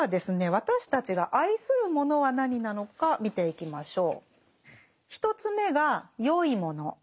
私たちが愛するものは何なのか見ていきましょう。